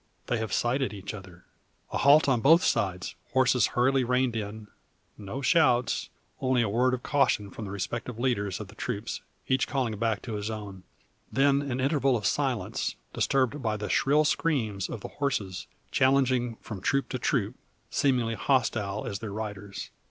They have sighted each other! A halt on both sides; horses hurriedly reined in; no shouts; only a word of caution from the respective leaders of the troops, each calling back to his own. Then an interval of silence, disturbed by the shrill screams of the horses, challenging from troop to troop, seemingly hostile as their riders.